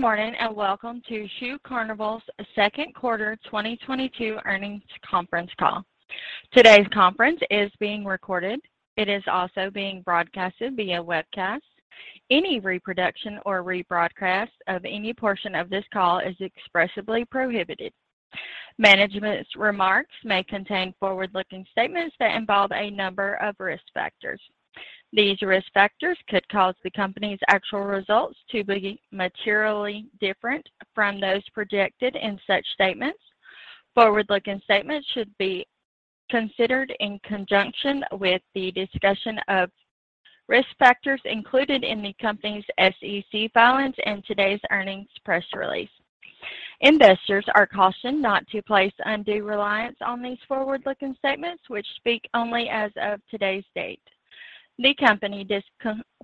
Good morning, and welcome to Shoe Carnival's Q2 2022 earnings conference call. Today's conference is being recorded. It is also being broadcast via webcast. Any reproduction or rebroadcast of any portion of this call is expressly prohibited. Management's remarks may contain forward-looking statements that involve a number of risk factors. These risk factors could cause the company's actual results to be materially different from those projected in such statements. Forward-looking statements should be considered in conjunction with the discussion of risk factors included in the company's SEC filings and today's earnings press release. Investors are cautioned not to place undue reliance on these forward-looking statements, which speak only as of today's date. The company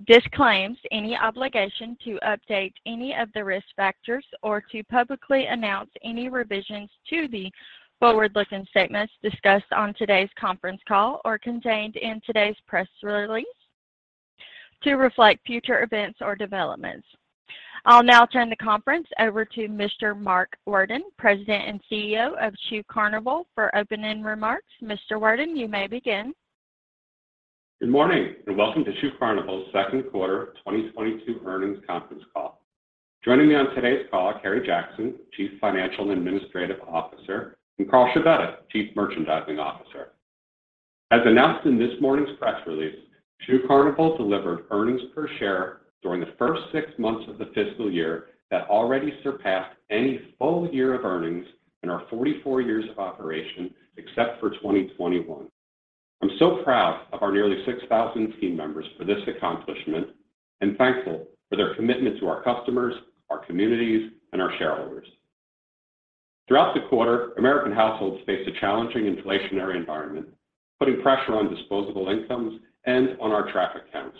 disclaims any obligation to update any of the risk factors or to publicly announce any revisions to the forward-looking statements discussed on today's conference call or contained in today's press release to reflect future events or developments. I'll now turn the conference over to Mr. Mark Worden, President and CEO of Shoe Carnival, for opening remarks. Mr. Worden, you may begin. Good morning, and welcome to Shoe Carnival's Q2 2022 earnings conference call. Joining me on today's call are Kerry Jackson, Executive Vice President and Chief Financial Officer, and Carl Scibetta, Senior Executive Vice President, Chief Merchandising Officer. As announced in this morning's press release, Shoe Carnival delivered earnings per share during the first six months of the fiscal year that already surpassed any full year of earnings in our 44 years of operation, except for 2021. I'm so proud of our nearly 6,000 team members for this accomplishment and thankful for their commitment to our customers, our communities, and our shareholders. Throughout the quarter, American households faced a challenging inflationary environment, putting pressure on disposable incomes and on our traffic counts.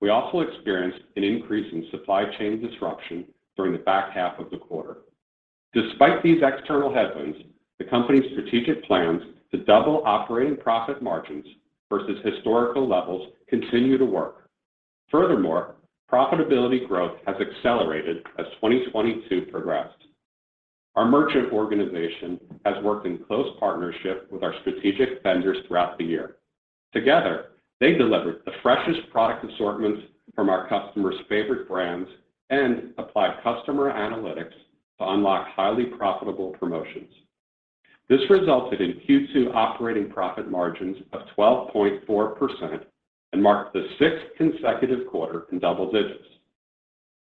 We also experienced an increase in supply chain disruption during the back half of the quarter. Despite these external headwinds, the company's strategic plans to double operating profit margins versus historical levels continue to work. Furthermore, profitability growth has accelerated as 2022 progressed. Our merchant organization has worked in close partnership with our strategic vendors throughout the year. Together, they delivered the freshest product assortments from our customers' favorite brands and applied customer analytics to unlock highly profitable promotions. This resulted in Q2 operating profit margins of 12.4% and marked the sixth consecutive quarter in double digits.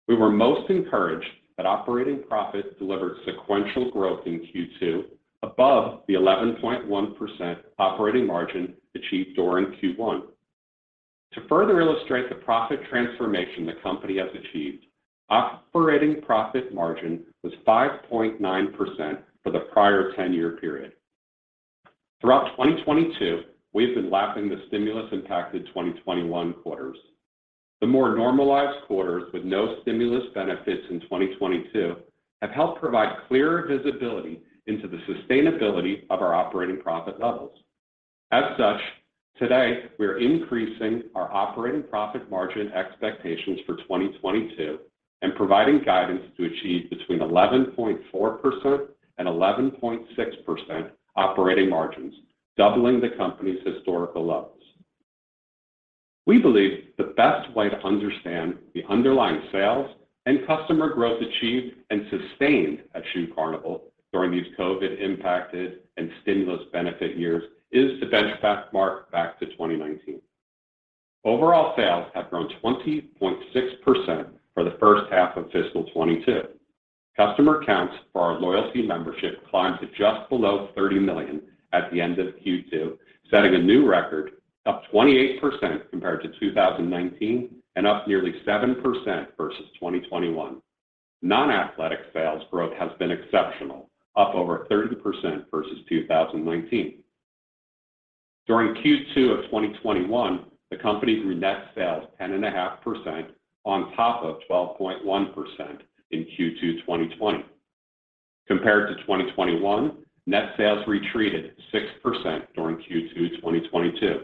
We were most encouraged that operating profit delivered sequential growth in Q2 above the 11.1% operating margin achieved during Q1. To further illustrate the profit transformation the company has achieved, operating profit margin was 5.9% for the prior 10 year period. Throughout 2022, we've been lapping the stimulus-impacted 2021 quarters. The more normalized quarters with no stimulus benefits in 2022 have helped provide clearer visibility into the sustainability of our operating profit levels. As such, today, we are increasing our operating profit margin expectations for 2022 and providing guidance to achieve between 11.4% and 11.6% operating margins, doubling the company's historical levels. We believe the best way to understand the underlying sales and customer growth achieved and sustained at Shoe Carnival during these COVID-impacted and stimulus benefit years is to benchmark back to 2019. Overall sales have grown 20.6% for the first half of fiscal 2022. Customer counts for our loyalty membership climbed to just below 30,000,000 at the end of Q2, setting a new record, up 28% compared to 2019 and up nearly 7% versus 2021. Non-athletic sales growth has been exceptional, up over 30% versus 2019. During Q2 of 2021, the company's net sales 10.5% on top of 12.1% in Q2 2020. Compared to 2021, net sales retreated 6% during Q2 2022.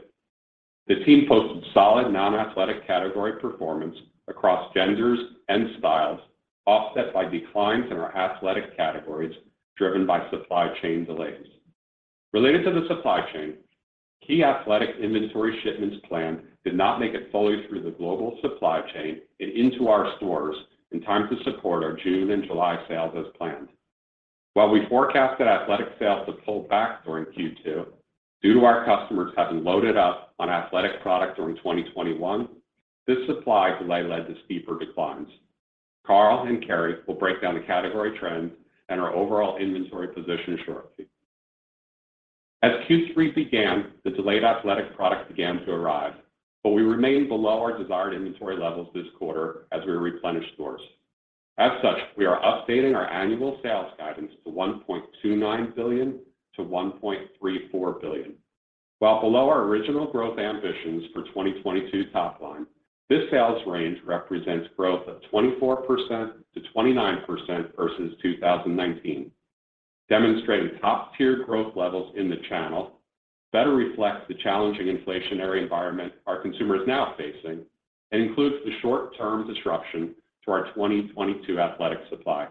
The team posted solid non-athletic category performance across genders and styles, offset by declines in our athletic categories driven by supply chain delays. Related to the supply chain, key athletic inventory shipments planned did not make it fully through the global supply chain and into our stores in time to support our June and July sales as planned. While we forecast that athletic sales would pull back during Q2 due to our customers having loaded up on athletic product during 2021, this supply delay led to steeper declines. Carl and Kerry will break down the category trends and our overall inventory position shortly. As Q3 began, the delayed athletic product began to arrive, but we remain below our desired inventory levels this quarter as we replenish stores. As such, we are updating our annual sales guidance to $1.29 billion-$1.34 billion. While below our original growth ambitions for 2022 top line, this sales range represents growth of 24%-29% versus 2019. Demonstrating top-tier growth levels in the channel better reflects the challenging inflationary environment our consumer is now facing and includes the short-term disruption to our 2022 athletic supply.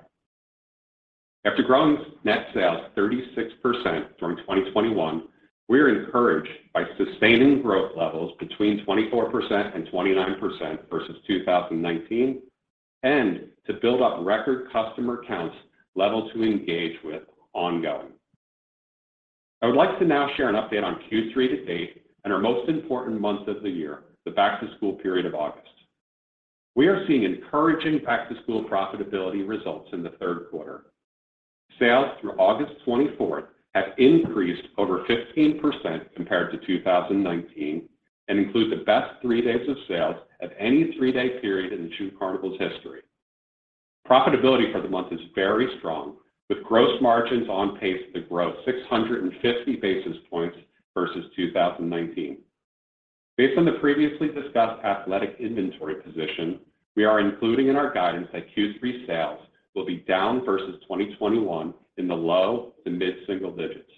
After growing net sales 36% during 2021, we are encouraged by sustaining growth levels between 24% and 29% versus 2019, and to build up record customer counts level to engage with ongoing. I would like to now share an update on Q3 to date and our most important month of the year, the back-to-school period of August. We are seeing encouraging back-to-school profitability results in the Q3. Sales through August 24th have increased over 15% compared to 2019, and include the best three days of sales of any three day period in Shoe Carnival's history. Profitability for the month is very strong, with gross margins on pace to grow 650 basis points versus 2019. Based on the previously discussed athletic inventory position, we are including in our guidance that Q3 sales will be down versus 2021 in the low- to mid-single digits.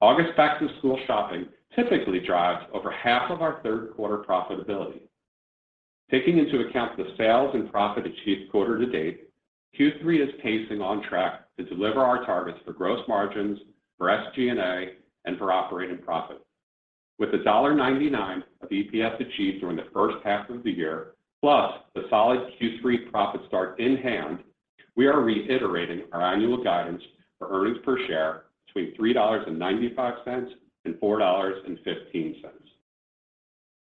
August back-to-school shopping typically drives over half of our Q3 profitability. Taking into account the sales and profit achieved quarter to date, Q3 is pacing on track to deliver our targets for gross margins, for SG&A, and for operating profit. With the $1.99 of EPS achieved during the first half of the year, plus the solid Q3 profit start in hand, we are reiterating our annual guidance for earnings per share between $3.95 and $4.15.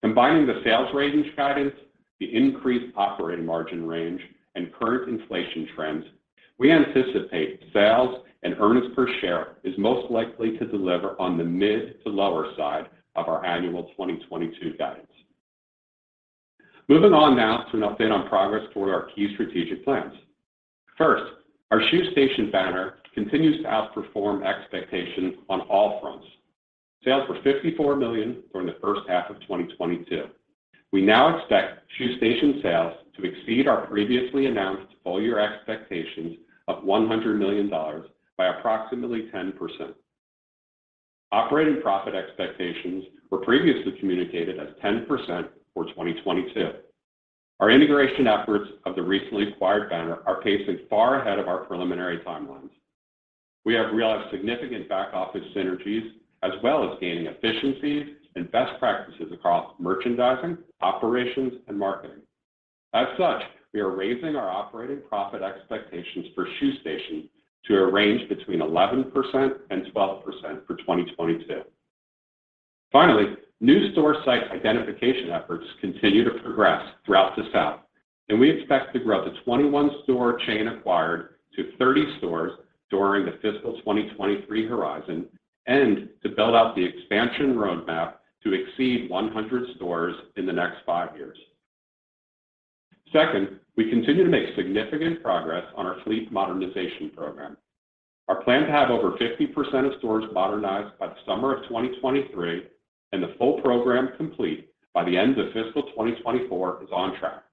Combining the sales range guidance, the increased operating margin range, and current inflation trends, we anticipate sales and earnings per share is most likely to deliver on the mid to lower side of our annual 2022 guidance. Moving on now to an update on progress toward our key strategic plans. First, our Shoe Station banner continues to outperform expectations on all fronts. Sales were $54 million during the first half of 2022. We now expect Shoe Station sales to exceed our previously announced full-year expectations of $100 million by approximately 10%. Operating profit expectations were previously communicated as 10% for 2022. Our integration efforts of the recently acquired banner are pacing far ahead of our preliminary timelines. We have realized significant back-office synergies, as well as gaining efficiencies and best practices across merchandising, operations, and marketing. As such, we are raising our operating profit expectations for Shoe Station to a range between 11% and 12% for 2022. New store site identification efforts continue to progress throughout the South, and we expect to grow the 21 store chain acquired to 30 stores during the fiscal 2023 horizon and to build out the expansion roadmap to exceed 100 stores in the next five years. We continue to make significant progress on our fleet modernization program. Our plan to have over 50% of stores modernized by the summer of 2023 and the full program complete by the end of fiscal 2024 is on track.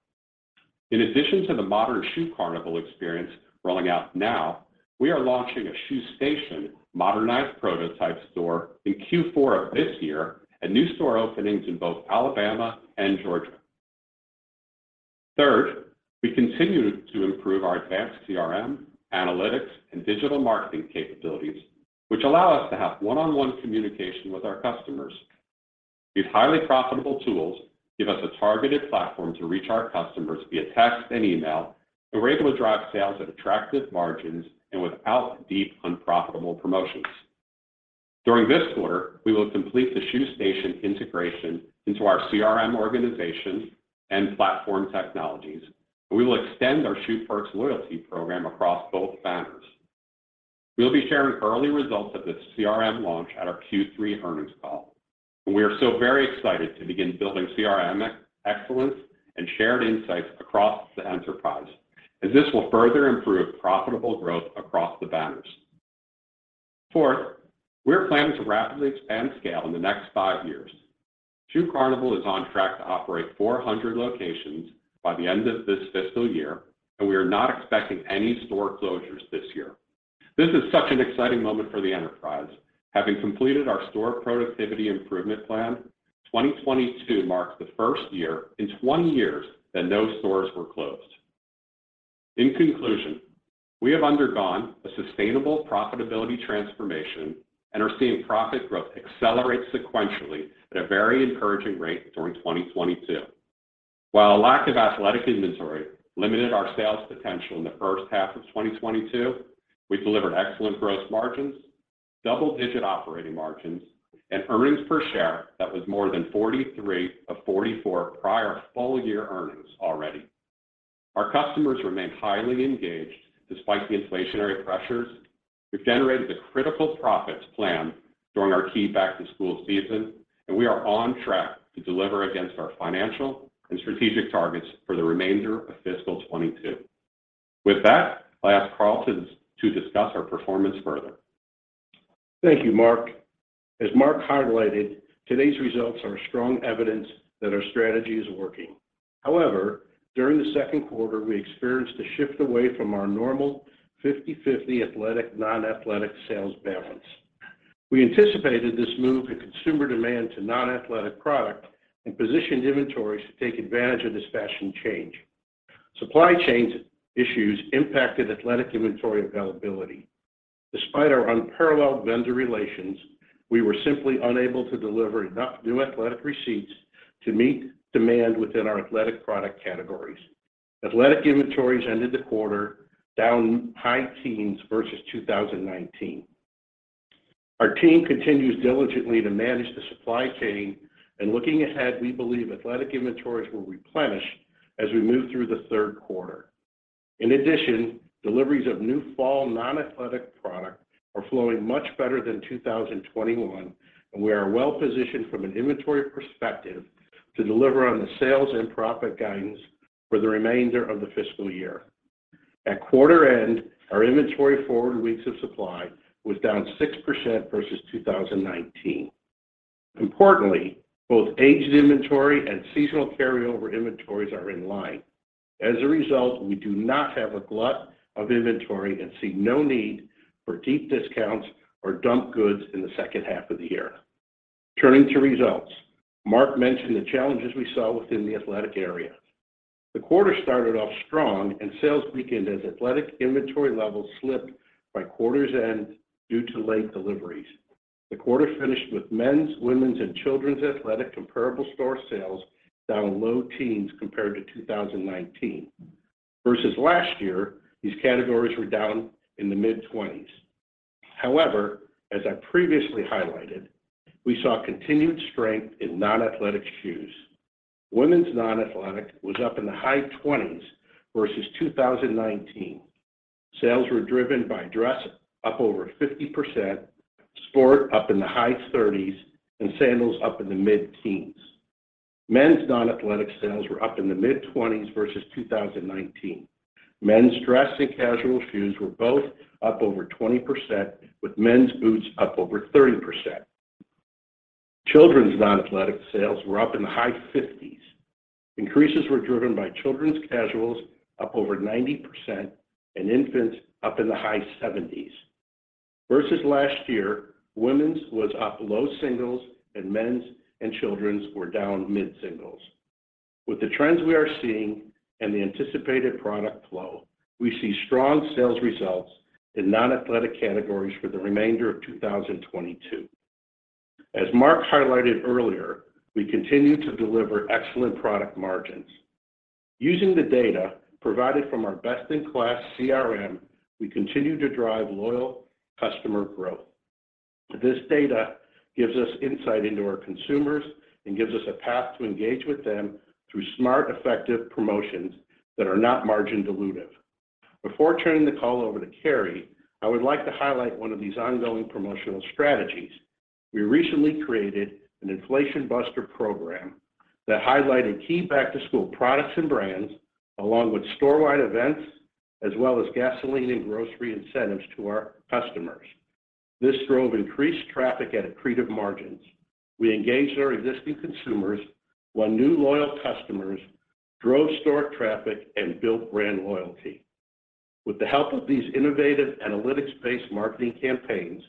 In addition to the modern Shoe Carnival experience rolling out now, we are launching a Shoe Station modernized prototype store in Q4 of this year at new store openings in both Alabama and Georgia. Third, we continue to improve our advanced CRM, analytics, and digital marketing capabilities, which allow us to have one-on-one communication with our customers. These highly profitable tools give us a targeted platform to reach our customers via text and email, and we're able to drive sales at attractive margins and without deep, unprofitable promotions. During this quarter, we will complete the Shoe Station integration into our CRM organization and platform technologies, and we will extend our Shoe Perks loyalty program across both banners. We'll be sharing early results of this CRM launch at our Q3 earnings call. We are so very excited to begin building CRM excellence and shared insights across the enterprise, as this will further improve profitable growth across the banners. Fourth, we are planning to rapidly expand scale in the next five years. Shoe Carnival is on track to operate 400 locations by the end of this fiscal year, and we are not expecting any store closures this year. This is such an exciting moment for the enterprise. Having completed our store productivity improvement plan, 2022 marks the first year in 20 years that no stores were closed. In conclusion, we have undergone a sustainable profitability transformation and are seeing profit growth accelerate sequentially at a very encouraging rate during 2022. While a lack of athletic inventory limited our sales potential in the first half of 2022, we delivered excellent gross margins, double-digit operating margins, and earnings per share that was more than 43 of 44 prior full-year earnings already. Our customers remain highly engaged despite the inflationary pressures. We've generated the critical profit to plan during our key back-to-school season, and we are on track to deliver against our financial and strategic targets for the remainder of fiscal 2022. With that, I'll ask Carl to discuss our performance further. Thank you, Mark. As Mark highlighted, today's results are strong evidence that our strategy is working. However, during the Q2, we experienced a shift away from our normal 50/50 athletic/non-athletic sales balance. We anticipated this move in consumer demand to non-athletic product and positioned inventories to take advantage of this fashion change. Supply chain issues impacted athletic inventory availability. Despite our unparalleled vendor relations, we were simply unable to deliver enough new athletic receipts to meet demand within our athletic product categories. Athletic inventories ended the quarter down high teens versus 2019. Our team continues diligently to manage the supply chain, and looking ahead, we believe athletic inventories will replenish as we move through the Q3. In addition, deliveries of new fall non-athletic product are flowing much better than 2021, and we are well positioned from an inventory perspective to deliver on the sales and profit guidance for the remainder of the fiscal year. At quarter end, our inventory forward weeks of supply was down 6% versus 2019. Importantly, both aged inventory and seasonal carryover inventories are in line. As a result, we do not have a glut of inventory and see no need for deep discounts or dump goods in the second half of the year. Turning to results. Mark mentioned the challenges we saw within the athletic area. The quarter started off strong and sales weakened as athletic inventory levels slipped by quarter's end due to late deliveries. The quarter finished with men's, women's, and children's athletic comparable store sales down low teens compared to 2019. Versus last year, these categories were down in the mid-20s. However, as I previously highlighted, we saw continued strength in non-athletic shoes. Women's non-athletic was up in the high 20s versus 2019. Sales were driven by dress up over 50%, sport up in the high 30s, and sandals up in the mid-teens. Men's non-athletic sales were up in the mid-20s versus 2019. Men's dress and casual shoes were both up over 20% with men's boots up over 30%. Children's non-athletic sales were up in the high 50s. Increases were driven by children's casuals up over 90% and infants up in the high 70s. Versus last year, women's was up low singles and men's and children's were down mid-singles. With the trends we are seeing and the anticipated product flow, we see strong sales results in non-athletic categories for the remainder of 2022. As Mark highlighted earlier, we continue to deliver excellent product margins. Using the data provided from our best-in-class CRM, we continue to drive loyal customer growth. This data gives us insight into our consumers and gives us a path to engage with them through smart, effective promotions that are not margin dilutive. Before turning the call over to Kerry, I would like to highlight one of these ongoing promotional strategies. We recently created an Inflation Buster program that highlighted key back-to-school products and brands, along with storewide events, as well as gasoline and grocery incentives to our customers. This drove increased traffic at accretive margins. We engaged our existing consumers while new loyal customers drove store traffic and built brand loyalty. With the help of these innovative analytics-based marketing campaigns,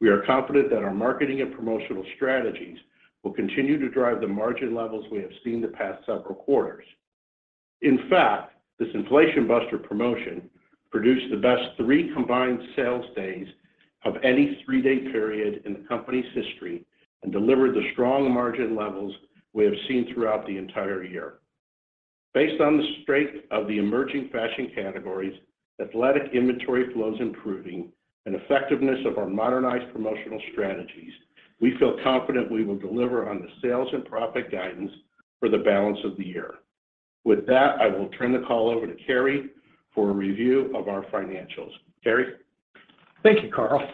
we are confident that our marketing and promotional strategies will continue to drive the margin levels we have seen the past several quarters. In fact, this Inflation Buster promotion produced the best three combined sales days of any three day period in the company's history and delivered the strong margin levels we have seen throughout the entire year. Based on the strength of the emerging fashion categories, athletic inventory flows improving, and effectiveness of our modernized promotional strategies, we feel confident we will deliver on the sales and profit guidance for the balance of the year. With that, I will turn the call over to Kerry for a review of our financials. Kerry? Thank you, Carl.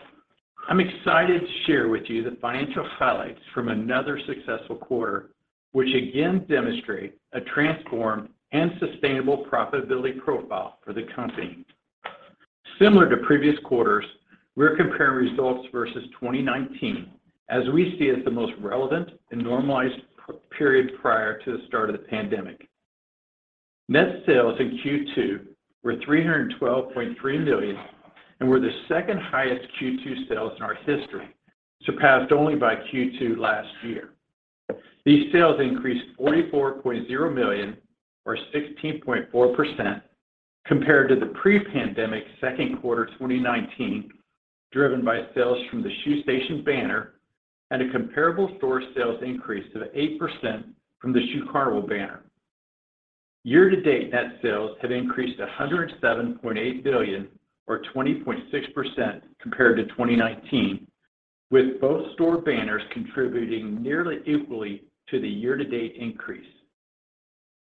I'm excited to share with you the financial highlights from another successful quarter, which again demonstrate a transformed and sustainable profitability profile for the company. Similar to previous quarters, we are comparing results versus 2019 as we see as the most relevant and normalized period prior to the start of the pandemic. Net sales in Q2 were $312.3 million and were the second highest Q2 sales in our history, surpassed only by Q2 last year. These sales increased $44.0 million or 16.4% compared to the pre-pandemic Q2 2019, driven by sales from the Shoe Station banner and a comparable store sales increase of 8% from the Shoe Carnival banner. Year to date, net sales have increased $107.8 million or 20.6% compared to 2019, with both store banners contributing nearly equally to the year to date increase.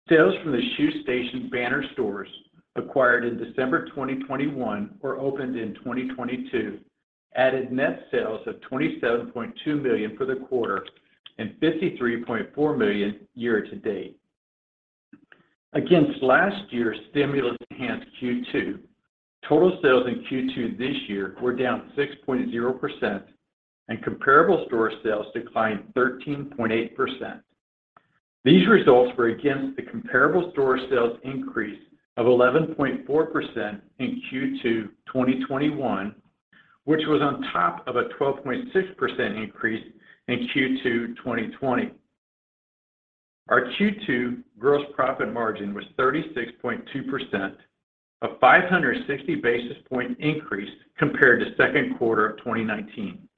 Sales from the Shoe Station banner stores acquired in December 2021 or opened in 2022 added net sales of $27.2 million for the quarter and $53.4 million year to date. Against last year's stimulus-enhanced Q2, total sales in Q2 this year were down 6.0% and comparable store sales declined 13.8%. These results were against the comparable store sales increase of 11.4% in Q2 2021, which was on top of a 12.6% increase in Q2 2020. Our Q2 gross profit margin was 36.2%, a 560 basis point increase compared to Q2 of 2019.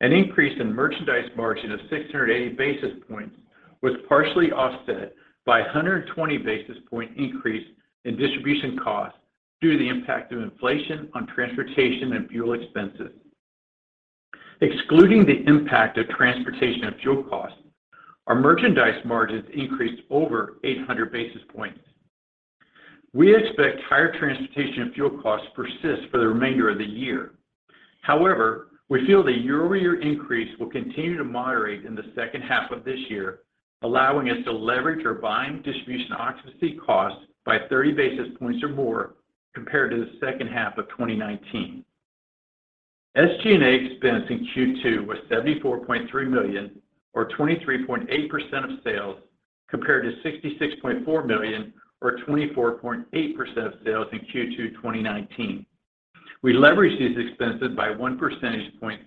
An increase in merchandise margin of 680 basis points was partially offset by a 120 basis point increase in distribution costs due to the impact of inflation on transportation and fuel expenses. Excluding the impact of transportation and fuel costs, our merchandise margins increased over 800 basis points. We expect higher transportation and fuel costs to persist for the remainder of the year. However, we feel the year-over-year increase will continue to moderate in the second half of this year, allowing us to leverage our buying, distribution, and occupancy costs by 30 basis points or more compared to the second half of 2019. SG&A expense in Q2 was $74.3 million or 23.8% of sales, compared to $66.4 million or 24.8% of sales in Q2 2019. We leveraged these expenses by 1 percentage point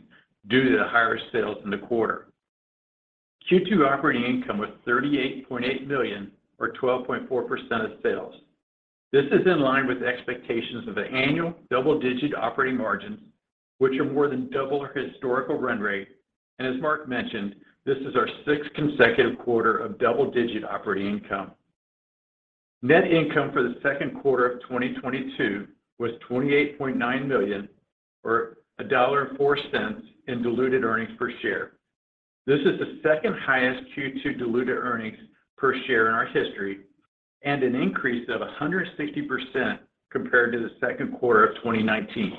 due to the higher sales in the quarter. Q2 operating income was $38.8 million or 12.4% of sales. This is in line with expectations of an annual double-digit operating margins, which are more than double our historical run rate. As Mark mentioned, this is our 6th consecutive quarter of double-digit operating income. Net income for the Q2 of 2022 was $28.9 million or $1.04 in diluted earnings per share. This is the second highest Q2 diluted earnings per share in our history and an increase of 160% compared to the Q2 of 2019.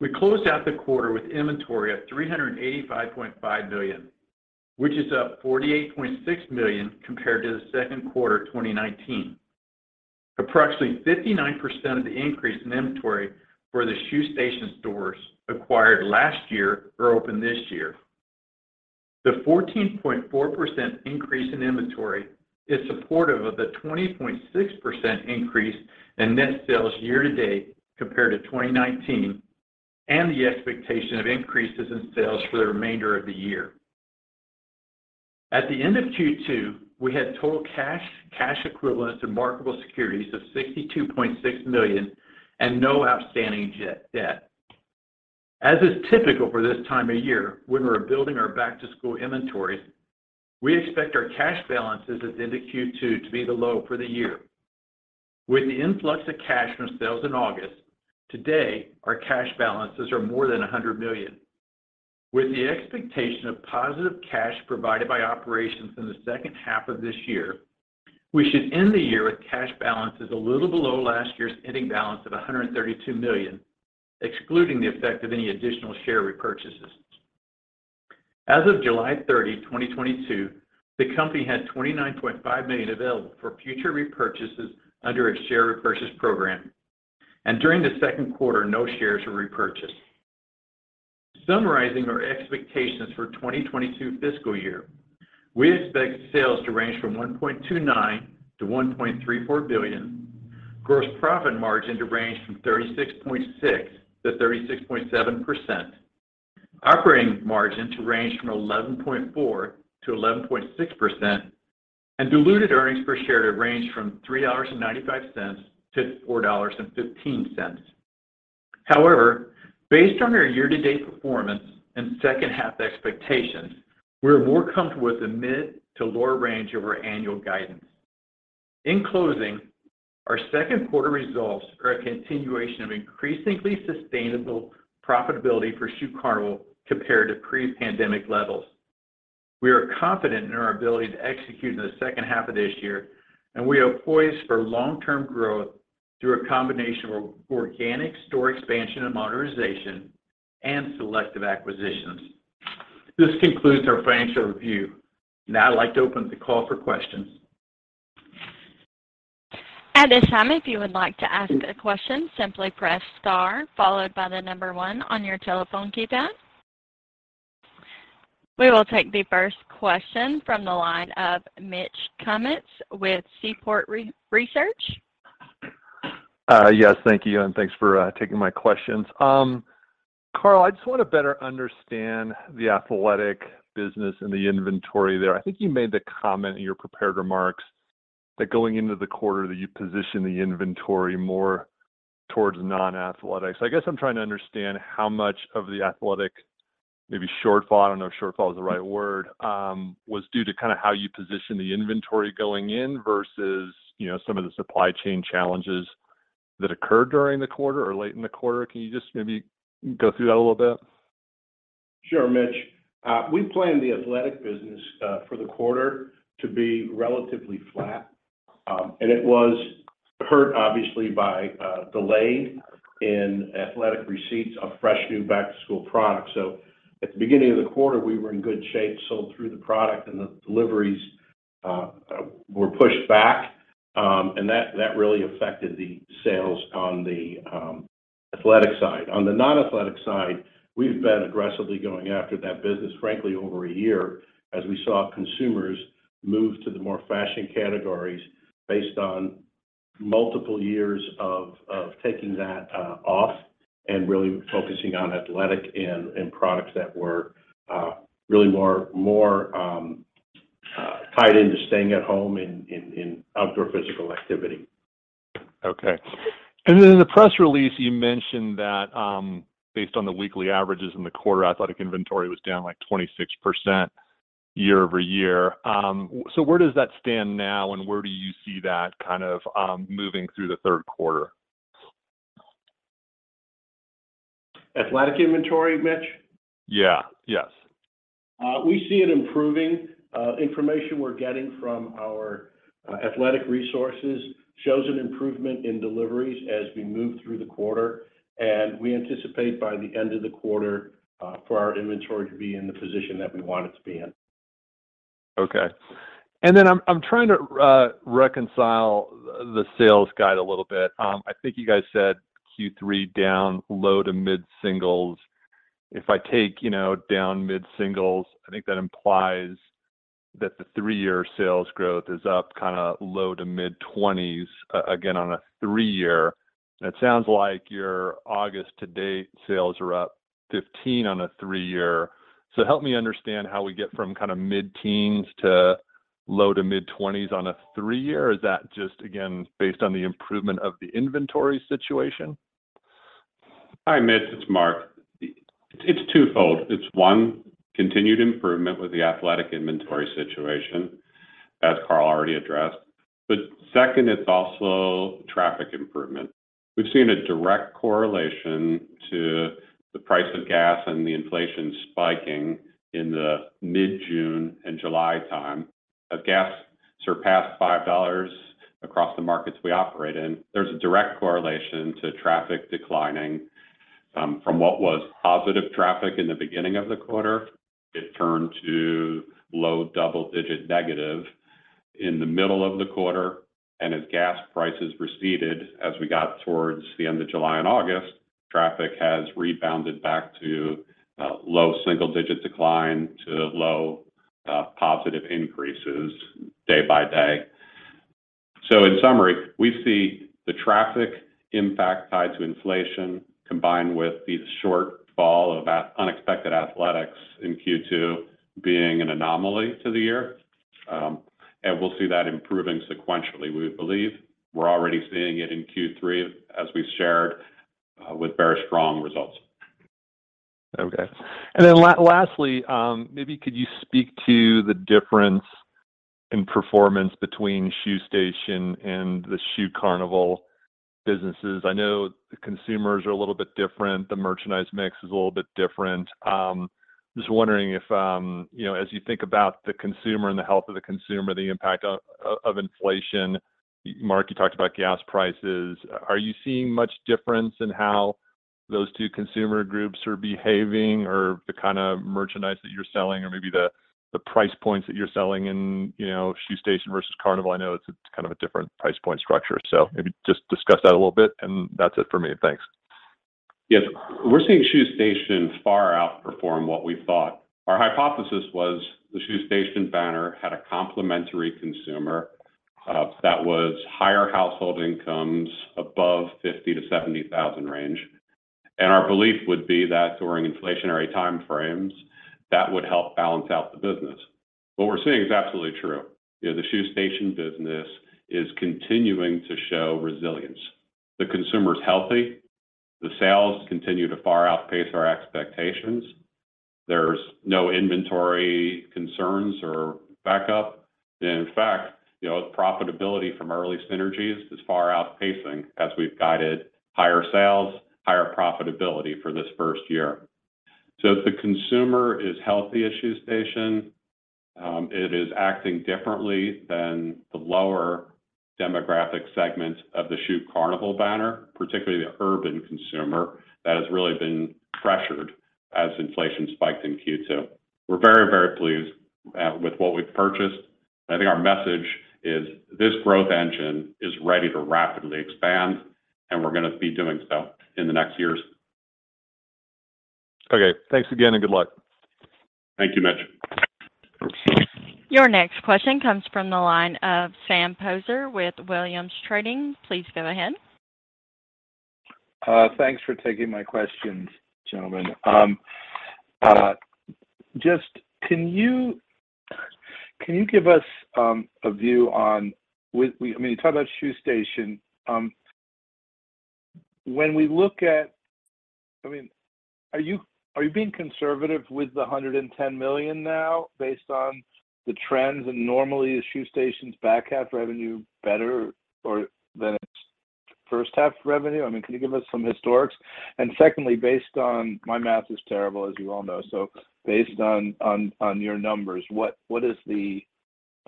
We closed out the quarter with inventory of $385.5 million, which is up $48.6 million compared to the Q2 of 2019. Approximately 59% of the increase in inventory for the Shoe Station stores acquired last year are open this year. The 14.4% increase in inventory is supportive of the 20.6% increase in net sales year to date compared to 2019, and the expectation of increases in sales for the remainder of the year. At the end of Q2, we had total cash equivalents, and marketable securities of $62.6 million and no outstanding net debt. As is typical for this time of year when we're building our back-to-school inventories, we expect our cash balances as we enter Q2 to be the low for the year. With the influx of cash from sales in August, today our cash balances are more than $100 million. With the expectation of positive cash provided by operations in the second half of this year, we should end the year with cash balances a little below last year's ending balance of $132 million, excluding the effect of any additional share repurchases. As of July 30 2022, the company had $29.5 million available for future repurchases under its share repurchase program. During the Q2, no shares were repurchased. Summarizing our expectations for 2022 fiscal year, we expect sales to range from $1.29 billion-$1.34 billion, gross profit margin to range from 36.6%-36.7%, operating margin to range from 11.4%-11.6%, and diluted earnings per share to range from $3.95-$4.15. However, based on our year-to-date performance and second half expectations, we are more comfortable with the mid to lower range of our annual guidance. In closing, our Q2 results are a continuation of increasingly sustainable profitability for Shoe Carnival compared to pre-pandemic levels. We are confident in our ability to execute in the second half of this year, and we are poised for long-term growth through a combination of organic store expansion and modernization and selective acquisitions. This concludes our financial review. Now I'd like to open the call for questions. At this time, if you would like to ask a question, simply press star followed by the number one on your telephone keypad. We will take the first question from the line of Mitch Kummetz with Seaport Research. Yes, thank you, and thanks for taking my questions. Carl, I just want to better understand the athletic business and the inventory there. I think you made the comment in your prepared remarks that going into the quarter that you position the inventory more towards non-athletics. I guess I'm trying to understand how much of the athletic maybe shortfall, I don't know if shortfall is the right word, was due to kind of how you position the inventory going in versus, you know, some of the supply chain challenges that occurred during the quarter or late in the quarter. Can you just maybe go through that a little bit? Sure, Mitch. We planned the athletic business for the quarter to be relatively flat. It was hurt obviously by delay in athletic receipts of fresh new back-to-school products. At the beginning of the quarter, we were in good shape, sold through the product, and the deliveries were pushed back. That really affected the sales on the athletic side. On the non-athletic side, we've been aggressively going after that business, frankly, over a year as we saw consumers move to the more fashion categories based on multiple years of taking that off and really focusing on athletic and products that were really more tied into staying at home and outdoor physical activity. Okay. In the press release, you mentioned that, based on the weekly averages in the quarter, athletic inventory was down, like, 26% year-over-year. Where does that stand now, and where do you see that kind of moving through the Q3? Athletic inventory, Mitch? Yeah. Yes. We see it improving. Information we're getting from our athletic resources shows an improvement in deliveries as we move through the quarter, and we anticipate by the end of the quarter for our inventory to be in the position that we want it to be in. Okay. Then I'm trying to reconcile the sales guide a little bit. I think you guys said Q3 down low- to mid-singles. If I take, you know, down mid-singles, I think that implies that the three year sales growth is up kind of low- to mid-20s again, on a three year. It sounds like your August to date sales are up 15% on a three year. Help me understand how we get from kind of mid-teens to low- to mid-20s on a three year. Is that just again based on the improvement of the inventory situation? Hi, Mitch, it's Mark. It's twofold. It's, one, continued improvement with the athletic inventory situation, as Carl already addressed. Second, it's also traffic improvement. We've seen a direct correlation to the price of gas and the inflation spiking in the mid-June and July time. As gas surpassed $5 across the markets we operate in, there's a direct correlation to traffic declining from what was positive traffic in the beginning of the quarter. It turned to low double-digit negative in the middle of the quarter. As gas prices receded as we got towards the end of July and August, traffic has rebounded back to low single-digit decline to low positive increases day by day. In summary, we see the traffic impact tied to inflation combined with the shortfall of the unexpected athletics in Q2 being an anomaly to the year. We'll see that improving sequentially, we believe. We're already seeing it in Q3, as we've shared, with very strong results. Okay. Lastly, maybe could you speak to the difference in performance between Shoe Station and the Shoe Carnival businesses? I know the consumers are a little bit different. The merchandise mix is a little bit different. Just wondering if, you know, as you think about the consumer and the health of the consumer, the impact of inflation, Mark, you talked about gas prices. Are you seeing much difference in how those two consumer groups are behaving or the kind of merchandise that you're selling or maybe the price points that you're selling in, you know, Shoe Station versus Carnival? I know it's kind of a different price point structure. Maybe just discuss that a little bit, and that's it for me. Thanks. Yes. We're seeing Shoe Station far outperform what we thought. Our hypothesis was the Shoe Station banner had a complementary consumer, that was higher household incomes above $50,000-$70,000 range. Our belief would be that during inflationary time frames, that would help balance out the business. What we're seeing is absolutely true. You know, the Shoe Station business is continuing to show resilience. The consumer is healthy. The sales continue to far outpace our expectations. There's no inventory concerns or backup. In fact, you know, profitability from early synergies is far outpacing as we've guided higher sales, higher profitability for this first year. If the consumer is healthy at Shoe Station, it is acting differently than the lower demographic segments of the Shoe Carnival banner, particularly the urban consumer that has really been pressured as inflation spiked in Q2. We're very, very pleased with what we've purchased. I think our message is this growth engine is ready to rapidly expand, and we're gonna be doing so in the next years. Okay. Thanks again, and good luck. Thank you, Mitch. Your next question comes from the line of Sam Poser with Williams Trading. Please go ahead. Thanks for taking my questions, gentlemen. Just can you give us a view on. I mean, you talked about Shoe Station. When we look at. I mean, are you being conservative with the $110 million now based on the trends and normally is Shoe Station's back half revenue better or than first half revenue? I mean, can you give us some historics? Secondly, based on, my math is terrible as you all know, so based on your numbers, what is the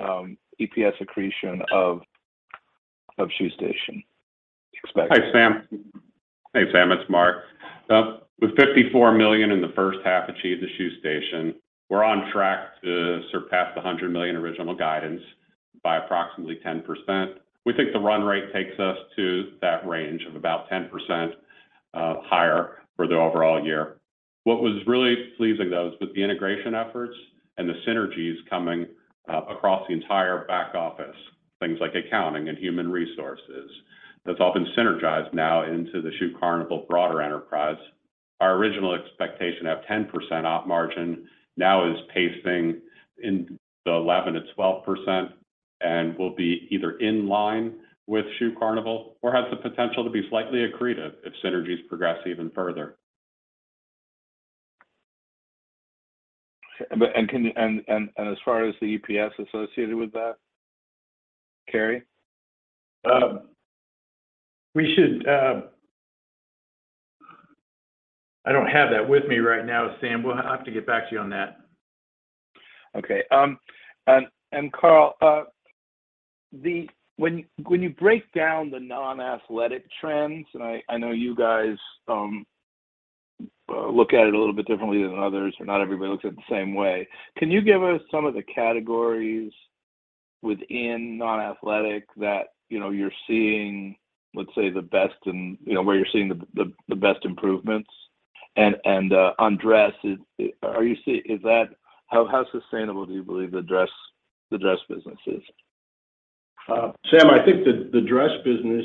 EPS accretion of Shoe Station expected? Hi, Sam. Hey Sam, it's Mark. With $54 million in the first half achieved at Shoe Station, we're on track to surpass the $100 million original guidance by approximately 10%. We think the run rate takes us to that range of about 10% higher for the overall year. What was really pleasing though is with the integration efforts and the synergies coming across the entire back office, things like accounting and human resources, that's all been synergized now into the Shoe Carnival broader enterprise. Our original expectation at 10% op margin now is pacing in the 11%-12%, and will be either in line with Shoe Carnival or has the potential to be slightly accretive if synergies progress even further. As far as the EPS associated with that, Kerry? I don't have that with me right now, Sam. We'll have to get back to you on that. Okay. Carl, when you break down the non-athletic trends, and I know you guys look at it a little bit differently than others, not everybody looks at it the same way. Can you give us some of the categories within non-athletic that you know, you're seeing, let's say the best in you know, where you're seeing the best improvements? On dress, how sustainable do you believe the dress business is? Sam, I think the dress business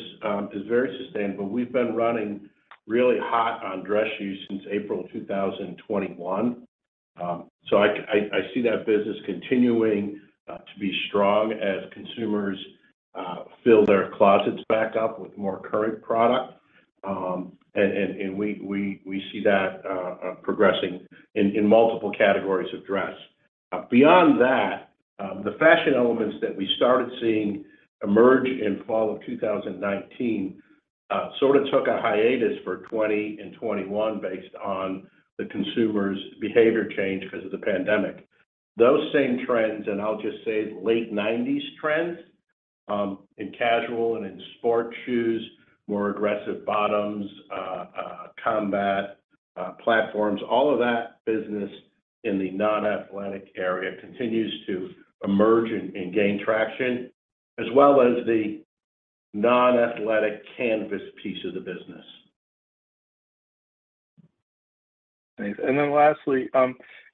is very sustainable. We've been running really hot on dress shoes since April 2021. I see that business continuing to be strong as consumers fill their closets back up with more current product. We see that progressing in multiple categories of dress. Beyond that, the fashion elements that we started seeing emerge in fall of 2019 sort of took a hiatus for 2020 and 2021 based on the consumer's behavior change because of the pandemic. Those same trends, and I'll just say late 1990s trends, in casual and in sport shoes, more aggressive bottoms, combat, platforms, all of that business in the non-athletic area continues to emerge and gain traction, as well as the non-athletic canvas piece of the business. Lastly,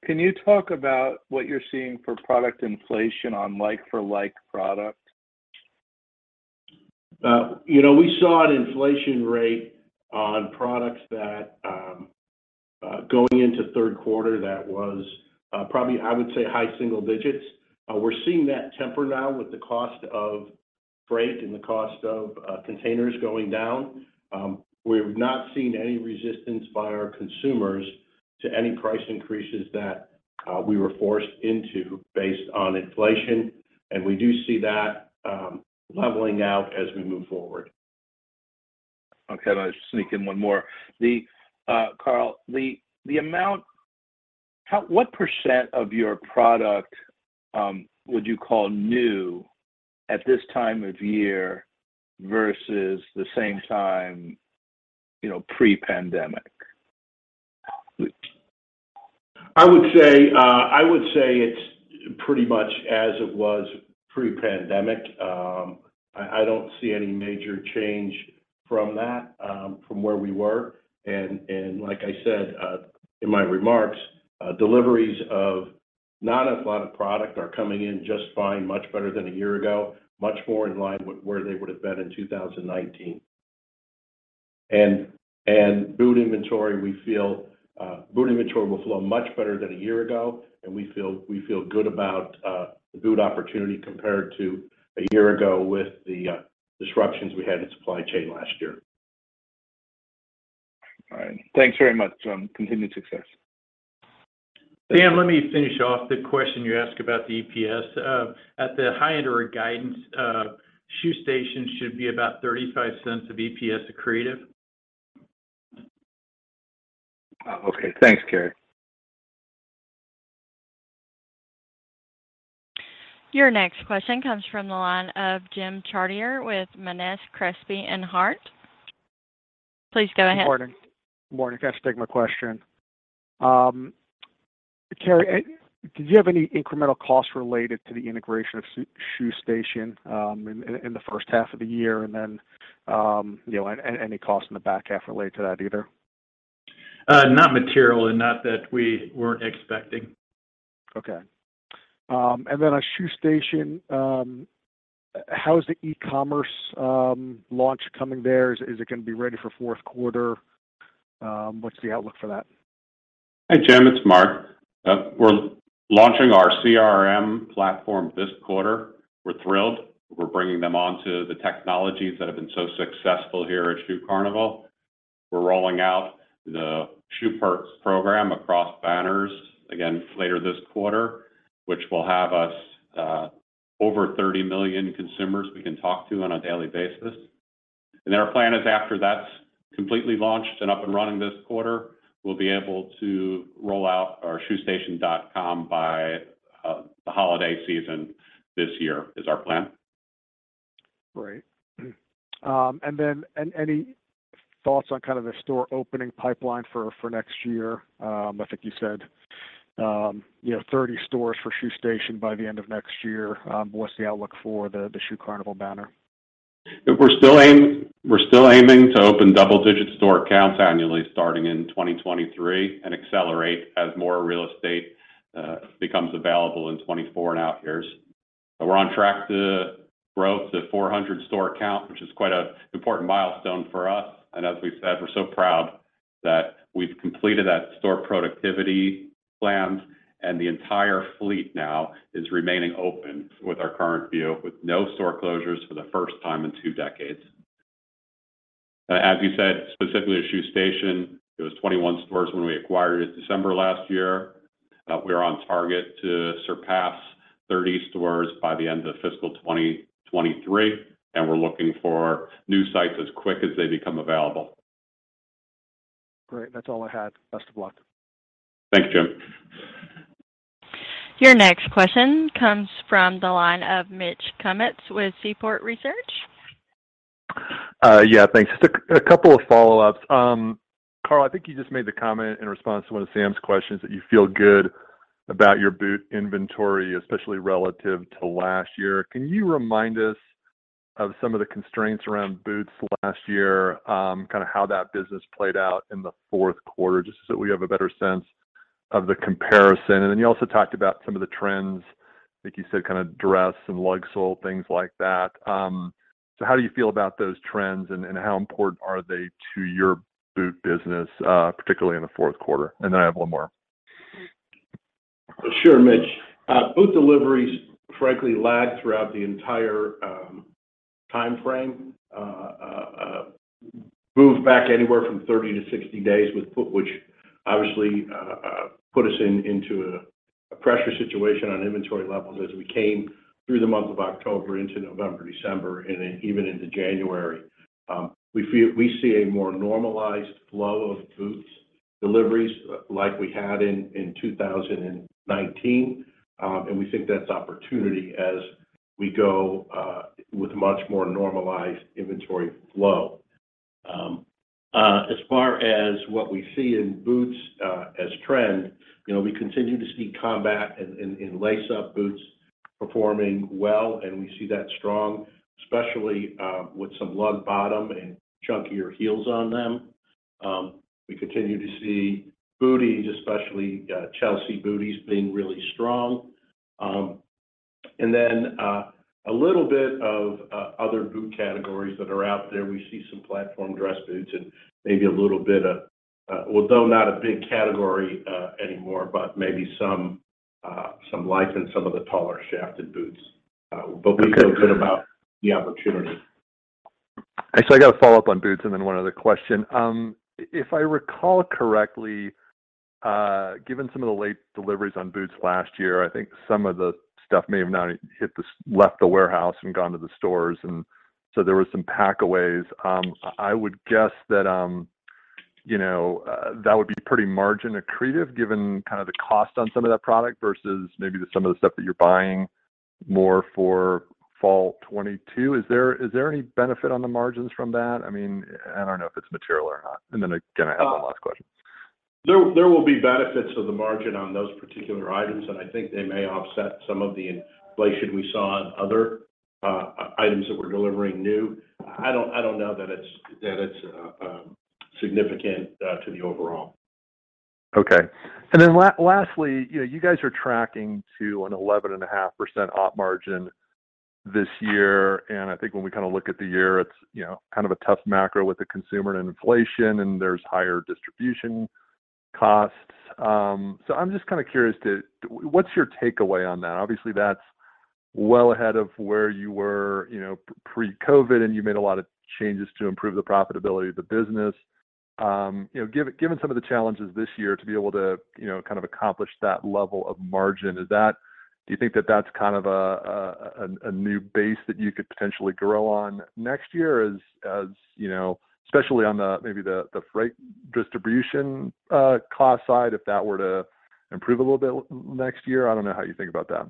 can you talk about what you're seeing for product inflation on like for like product? You know, we saw an inflation rate on products that going into Q3 that was probably I would say high single digits. We're seeing that temper now with the cost of freight and the cost of containers going down. We've not seen any resistance by our consumers to any price increases that we were forced into based on inflation, and we do see that leveling out as we move forward. Okay. Let me just sneak in one more. Carl, what percent of your product would you call new at this time of year versus the same time, you know, pre-pandemic? I would say it's pretty much as it was pre-pandemic. I don't see any major change from that, from where we were. Like I said, in my remarks, deliveries of not a lot of product are coming in just fine, much better than a year ago, much more in line with where they would have been in 2019. Boot inventory, we feel, will flow much better than a year ago, and we feel good about the boot opportunity compared to a year ago with the disruptions we had in supply chain last year. All right. Thanks very much. Continued success. Sam, let me finish off the question you asked about the EPS. At the high end of our guidance, Shoe Station should be about $0.35 of EPS accretive. Okay. Thanks, Kerry. Your next question comes from the line of Jim Chartier with Monness, Crespi, & Hardt. Please go ahead. Good morning. Good morning. Thanks for taking my question. Kerry, did you have any incremental costs related to the integration of Shoe Station in the first half of the year? Any costs in the back half related to that either? Not material and not that we weren't expecting. Okay. On Shoe Station, how's the e-commerce launch coming there? Is it gonna be ready for Q4? What's the outlook for that? Hey, Jim, it's Mark. We're launching our CRM platform this quarter. We're thrilled. We're bringing them onto the technologies that have been so successful here at Shoe Carnival. We're rolling out the Shoe Perks program across banners again later this quarter, which will have us over 30,000,000 consumers we can talk to on a daily basis. Then our plan is after that's completely launched and up and running this quarter, we'll be able to roll out our shoestation.com by the holiday season this year is our plan. Great. Any thoughts on kind of the store opening pipeline for next year? I think you said, you know, 30 stores for Shoe Station by the end of next year. What's the outlook for the Shoe Carnival banner? We're still aiming to open double-digit store counts annually starting in 2023, and accelerate as more real estate becomes available in 2024 and out years. We're on track to grow to 400 store count, which is quite an important milestone for us. As we've said, we're so proud that we've completed that store productivity plans, and the entire fleet now is remaining open with our current view, with no store closures for the first time in two decades. As you said, specifically to Shoe Station, it was 21 stores when we acquired it December last year. We are on target to surpass 30 stores by the end of fiscal 2023, and we're looking for new sites as quick as they become available. Great. That's all I had. Best of luck. Thanks, Jim. Your next question comes from the line of Mitch Kummetz with Seaport Research. Yeah, thanks. Just a couple of follow-ups. Carl, I think you just made the comment in response to one of Sam's questions that you feel good about your boot inventory, especially relative to last year. Can you remind us of some of the constraints around boots last year, kind of how that business played out in the Q4, just so we have a better sense of the comparison? You also talked about some of the trends, I think you said kinda dress and lug sole, things like that. How do you feel about those trends and how important are they to your boot business, particularly in the Q4? I have one more. Sure, Mitch. Boot deliveries frankly lagged throughout the entire timeframe, moved back anywhere from 30-60 days with freight, which obviously put us into a pressure situation on inventory levels as we came through the month of October into November, December, and then even into January. We see a more normalized flow of boot deliveries like we had in 2019. We think that's opportunity as we go with much more normalized inventory flow. As far as what we see in boots as trend, you know, we continue to see combat and lace-up boots performing well, and we see that strong, especially with some lug bottom and chunkier heels on them. We continue to see booties, especially Chelsea booties, being really strong. A little bit of other boot categories that are out there. We see some platform dress boots and maybe a little bit of although not a big category anymore, but maybe some life in some of the taller shafted boots. We feel good about the opportunity. Actually, I got a follow-up on boots and then one other question. If I recall correctly, given some of the late deliveries on boots last year, I think some of the stuff may have left the warehouse and gone to the stores, and so there was some packaways. I would guess that, you know, that would be pretty margin accretive given kind of the cost on some of that product versus maybe some of the stuff that you're buying more for fall 2022. Is there any benefit on the margins from that? I mean, I don't know if it's material or not. Then again, I have one last question. There will be benefits to the margin on those particular items, and I think they may offset some of the inflation we saw on other items that we're delivering new. I don't know that it's significant to the overall. Okay. Lastly, you know, you guys are tracking to an 11.5% op margin this year, and I think when we kind of look at the year, it's you know, kind of a tough macro with the consumer and inflation, and there's higher distribution costs. I'm just kind of curious what's your takeaway on that? Obviously, that's well ahead of where you were, you know, pre-COVID, and you made a lot of changes to improve the profitability of the business. You know, given some of the challenges this year to be able to, you know, kind of accomplish that level of margin, is that. Do you think that that's kind of a new base that you could potentially grow on next year as you know, especially on the maybe the freight distribution cost side, if that were to improve a little bit next year? I don't know how you think about that.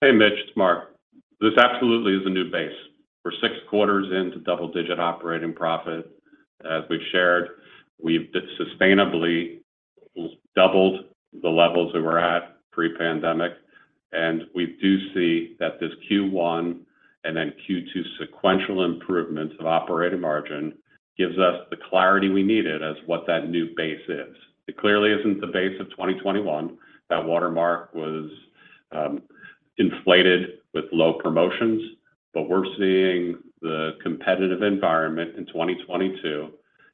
Hey, Mitch, it's Mark. This absolutely is a new base. We're 6 quarters into double-digit operating profit. As we've shared, we've sustainably doubled the levels that we're at pre-pandemic, and we do see that this Q1 and then Q2 sequential improvements of operating margin gives us the clarity we needed as what that new base is. It clearly isn't the base of 2021. That watermark was inflated with low promotions, but we're seeing the competitive environment in 2022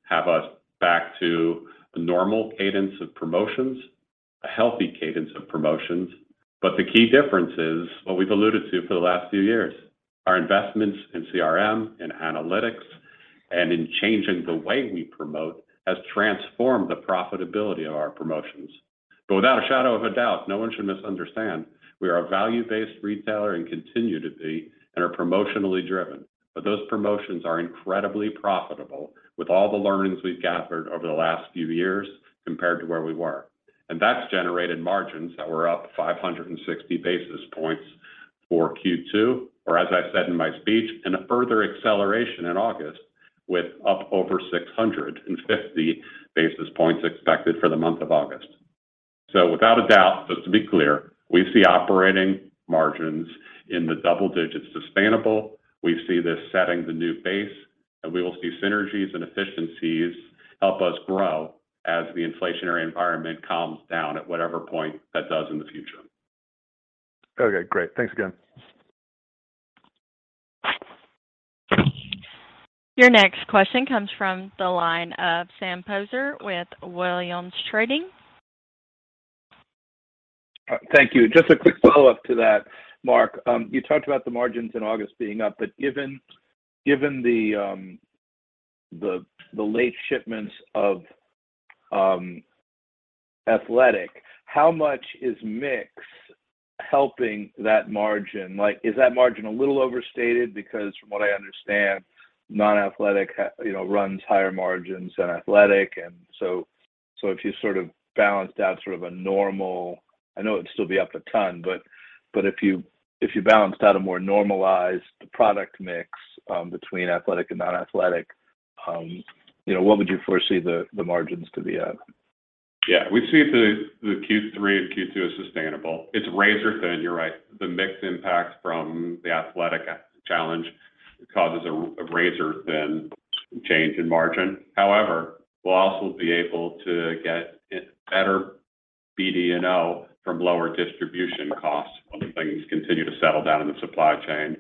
have us to a normal cadence of promotions, a healthy cadence of promotions. The key difference is what we've alluded to for the last few years, our investments in CRM and analytics and in changing the way we promote has transformed the profitability of our promotions. Without a shadow of a doubt, no one should misunderstand. We are a value-based retailer and continue to be, and are promotionally driven. Those promotions are incredibly profitable with all the learnings we've gathered over the last few years compared to where we were. That's generated margins that were up 560 basis points for Q2. As I said in my speech, and a further acceleration in August with up over 650 basis points expected for the month of August. Without a doubt, just to be clear, we see operating margins in the double digits sustainable. We see this setting the new base, and we will see synergies and efficiencies help us grow as the inflationary environment calms down at whatever point that does in the future. Okay, great. Thanks again. Your next question comes from the line of Sam Poser with Williams Trading. Thank you. Just a quick follow-up to that, Mark. You talked about the margins in August being up, but given the late shipments of athletic, how much is mix helping that margin? Like, is that margin a little overstated? Because from what I understand, non-athletic, you know, runs higher margins than athletic. If you sort of balanced out a normal, I know it'd still be up a ton, but if you balanced out a more normalized product mix between athletic and non-athletic, you know, what would you foresee the margins to be at? Yeah, we see the Q3 and Q2 as sustainable. It's razor-thin, you're right. The mix impact from the athletic challenge causes a razor-thin change in margin. However, we'll also be able to get better BD&O from lower distribution costs as things continue to settle down in the supply chain.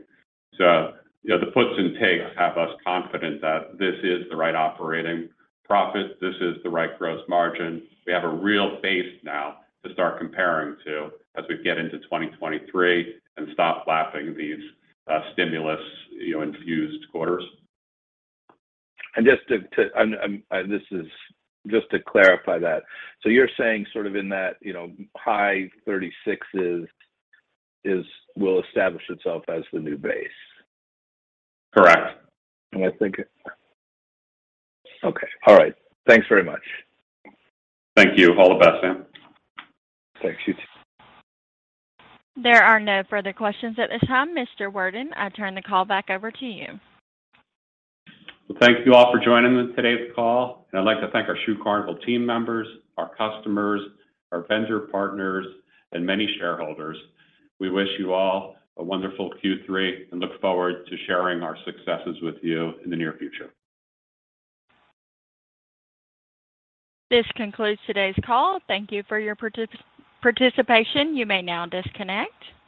You know, the puts and takes have us confident that this is the right operating profit, this is the right gross margin. We have a real base now to start comparing to as we get into 2023 and stop lapping these, stimulus, you know, infused quarters. This is just to clarify that. You're saying sort of in that, you know, high 36s will establish itself as the new base? Correct. Okay. All right. Thanks very much. Thank you. All the best, Sam. Thanks. You too. There are no further questions at this time. Mr. Worden, I turn the call back over to you. Well, thank you all for joining today's call, and I'd like to thank our Shoe Carnival team members, our customers, our vendor partners, and many shareholders. We wish you all a wonderful Q3 and look forward to sharing our successes with you in the near future. This concludes today's call. Thank you for your participation. You may now disconnect.